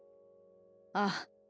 ああ。